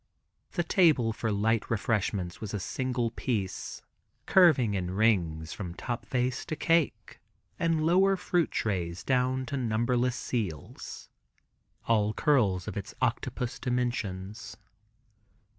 The table for light refreshments was a single piece, curving in rings from top vase to cake and lower fruit trays down to numberless seals, all curls of its octopus dimensions.